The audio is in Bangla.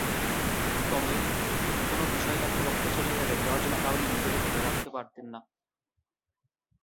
তবে, কোন বিষয় তার বিপক্ষে চলে গেলে জর্জ ম্যাকাউলি নিজেকে ধরে রাখতে পারতেন না।